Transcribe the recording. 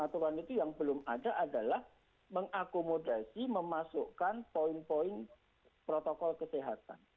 aturan itu yang belum ada adalah mengakomodasi memasukkan poin poin protokol kesehatan